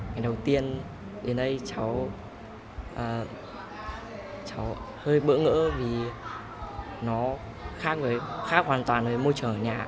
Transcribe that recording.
ngày đầu tiên đến đây cháu cháu hơi bỡ ngỡ vì nó khác hoàn toàn với môi trường ở nhà